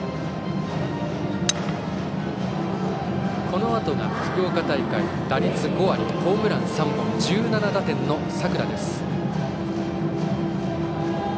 このあとが福岡大会打率５割、ホームラン３本１７打点の佐倉です。